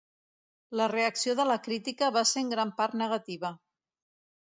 La reacció de la crítica va ser en gran part negativa.